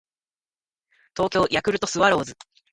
東京ヤクルトスワローズ